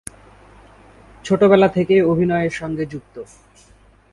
ছোটবেলা থেকেই অভিনয়ের সঙ্গে যুক্ত।